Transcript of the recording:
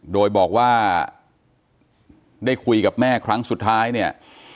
โดยบอกว่าได้คุยกับแม่ครั้งสุดท้ายเนี่ย